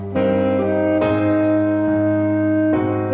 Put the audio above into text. โทสแขก